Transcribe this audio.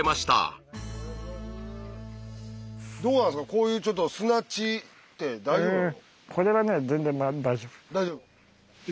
こういうちょっと砂地って大丈夫なの？